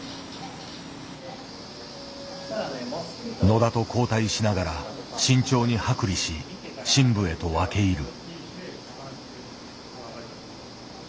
野田と交代しながら慎重に剥離し深部へと分け入る。